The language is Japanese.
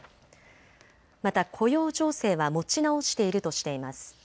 また雇用情勢は持ち直しているとしています。